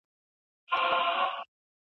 اقتصاد ډېر په زړه پوري علم دی.